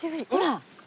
ほら！